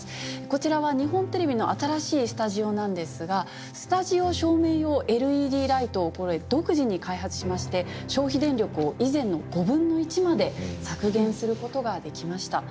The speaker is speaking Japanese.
こちらは日本テレビの新しいスタジオなんですがスタジオ照明用ＬＥＤライトを独自に開発しまして消費電力を以前の５分の１まで削減することができました。